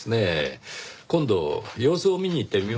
今度様子を見に行ってみましょうか。